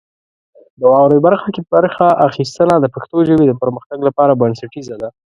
د واورئ برخه کې برخه اخیستنه د پښتو ژبې د پرمختګ لپاره بنسټیزه ده.